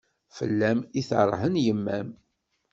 Fell-am i terhen yemma-m.